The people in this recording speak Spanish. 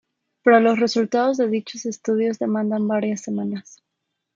Pero los resultados de dichos estudios demandan varias semanas.